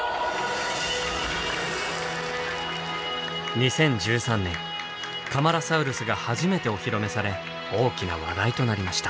２０１３年カマラサウルスが初めてお披露目され大きな話題となりました。